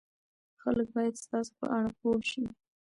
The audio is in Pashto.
خلک باید ستاسو په اړه پوه شي.